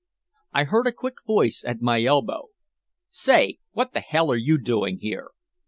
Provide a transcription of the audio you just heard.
I heard a quick voice at my elbow: "Say. What the hell are you doing here!"